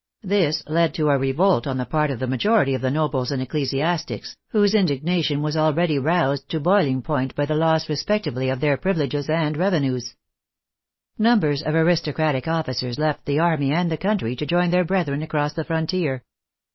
This led to a revolt on the part of the majority of the nobles and ecclesiastics, whose in dignation was already roused to boiling point by the loss respectively of their privileges and revenues. Numbers of aristocratic officers left the army and the country to join their brethren across the frontier.